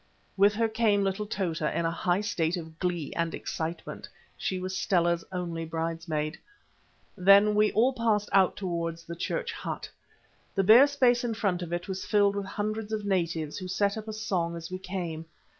With her came little Tota in a high state of glee and excitement. She was Stella's only bridesmaid. Then we all passed out towards the church hut. The bare space in front of it was filled with hundreds of natives, who set up a song as we came.